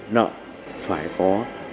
nợ phải có